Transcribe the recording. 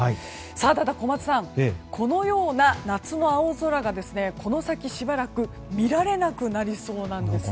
ただ小松さんこのような夏の青空がこの先しばらく見られなくなりそうなんです。